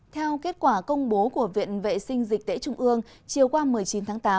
theo kết quả công bố của viện vệ sinh dịch tễ trung ương chiều qua một mươi chín tháng tám